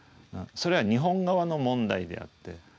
それは日本側の問題であって。